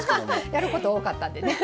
やること多かったんでね。